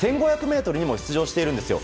１５００ｍにも出場しているんですよ。